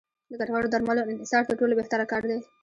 د ګټورو درملو انحصار تر ټولو بهتره کار دی.